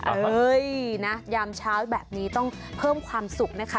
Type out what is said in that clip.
เอ้ยนะยามเช้าแบบนี้ต้องเพิ่มความสุขนะคะ